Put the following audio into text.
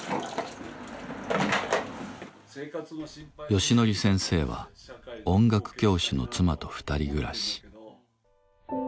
ヨシノリ先生は音楽教師の妻と２人暮らし。